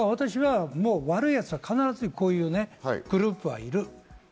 私は悪いやつは必ずこういうグループはいる。